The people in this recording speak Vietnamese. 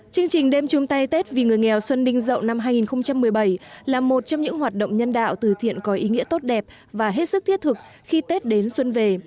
chương trình đêm chung tay tết vì người nghèo xuân đinh dậu năm hai nghìn một mươi bảy là một trong những hoạt động nhân đạo từ thiện có ý nghĩa tốt đẹp và hết sức thiết thực khi tết đến xuân về